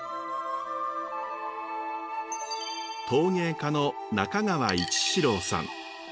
陶芸家の中川一志郎さん。